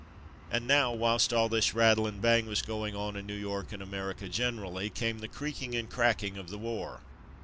And now, whilst all this rattle and bang was going on in New York and America generally, came the creaking and cracking of the war.